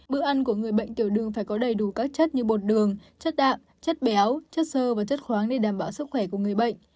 bữa ăn của người bệnh tiểu đường phải có đầy đủ các chất như bột đường chất đạm chất béo chất sơ và chất khoáng để đảm bảo sức khỏe của người bệnh